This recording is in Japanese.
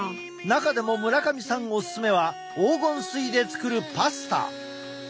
中でも村上さんオススメは黄金水で作るパスタ。